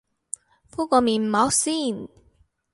敷個面膜先